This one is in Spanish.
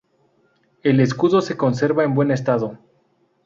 El escudo se conserva en buen estado.